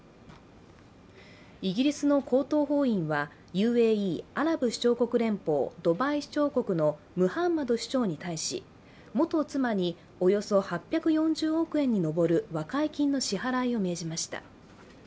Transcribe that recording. イギリスの高等法院はＵＡＥ＝アラブ首長国連邦ドバイ首長国のムハンマド首長に対し、元妻におよそ８４０億円に上る和解金の支払を命じました。